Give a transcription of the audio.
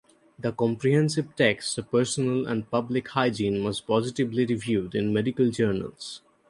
The comprehensive text of personal and public hygiene was positively reviewed in medical journals.